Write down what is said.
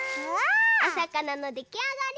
おさかなのできあがり！